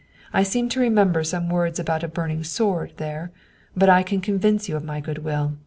I seem to re member some words about a burning sword there. But I can convince you of my good will.